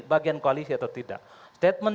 bagian koalisi atau tidak statement